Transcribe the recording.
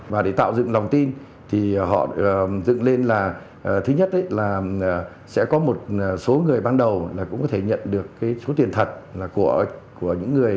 và để tạo dựng lòng tin thì họ dựng lên là thứ nhất là sẽ có một số người ban đầu là cũng có thể nhận được cái số tiền thật của những người